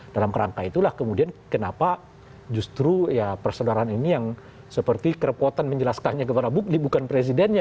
dalam kerangka itulah kemudian kenapa justru persaudaraan ini yang seperti kerepotan menjelaskannya kepada bukti bukan presidennya